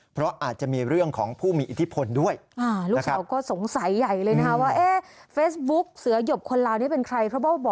มากจริงครับ